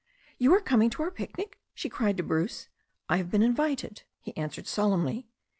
"You are coming to our picnic?" she cried to Bruce. "I have been invited," he answered solemnly.